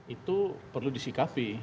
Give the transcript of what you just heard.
itu perlu disikapi